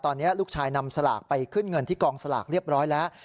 ตอนนี้ลูกชายนำสลากไปขึ้นเงินที่กองสลากเรียบร้อยแล้ว